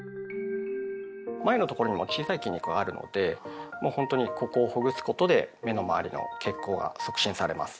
眉のところにも小さい筋肉はあるのでもうほんとにここをほぐすことで目の周りの血行が促進されます。